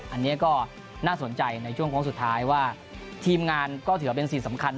อันนี้ก็น่าสนใจในช่วงโค้งสุดท้ายว่าทีมงานก็ถือว่าเป็นสิ่งสำคัญ